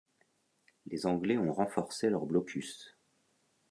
Les Anglais ont renforcé leur blocus.